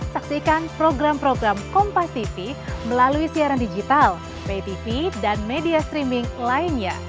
saksikan program program kompas tv melalui siaran digital btv dan media streaming lainnya